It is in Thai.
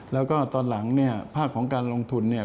แล้วก็ตอนหลังเนี่ยภาพของการลงทุนเนี่ย